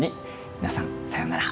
皆さんさようなら。